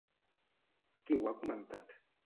Qui ho ha comentat?